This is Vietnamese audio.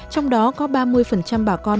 trong đó có ba mươi bà con